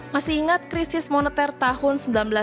masih ingat krisis moneter tahun seribu sembilan ratus sembilan puluh